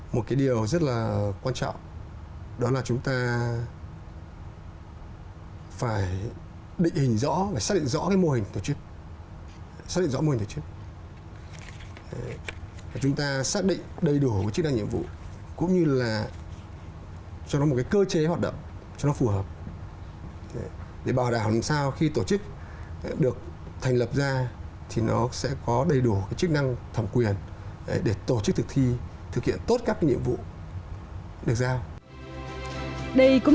một cái điều rất là quan trọng đó là chúng ta phải định hình rõ phải xác định rõ cái mô hình tổ chức